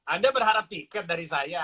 anda berharap tiket dari saya